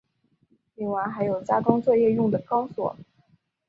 另外还有加装作业用的钢索。